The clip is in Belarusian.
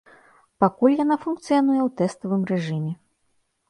Пакуль яна функцыянуе ў тэставым рэжыме.